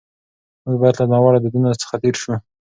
موږ باید له ناوړه دودونو څخه تېر سو.